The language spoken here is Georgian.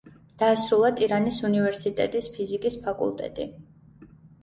დაასრულა ტირანის უნივერსიტეტის ფიზიკის ფაკულტეტი.